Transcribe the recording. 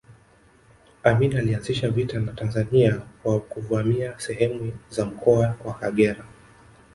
Amin alianzisha vita na Tanzania kwa kuvamia sehemu za mkoa wa Kagera